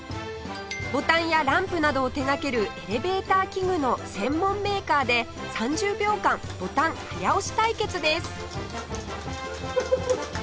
ボタンやランプなどを手掛けるエレベーター器具の専門メーカーで３０秒間ボタン早押し対決です